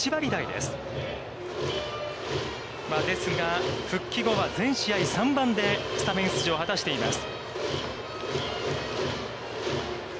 ですが、復帰後は全試合３番でスタメン出場を果たしています。